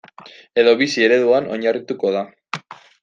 Edo bizi ereduan oinarrituko da.